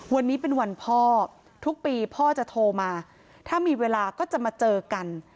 วันนี้เป็นวันพ่อทุกปีพ่อจะโทรมาถ้ามีเวลาก็จะมาเจอกัน